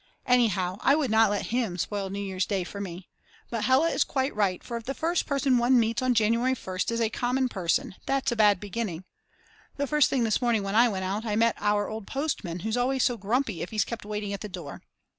Anyhow I would not let him spoil new year's day for me. But Hella is quite right for if the first person one meets on January 1st is a common person that's a bad beginning. The first thing this morning when I went out I met our old postman who's always so grumpy if he's kept waiting at the door.